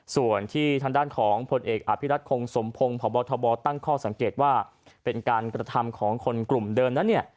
ส่วนที่ทางด้านของผลเอกอภิรัตคงสมพงศ์พบทบตั้งข้อสังเกตว่าเป็นการกระทำของคนกลุ่มเดิมนั้น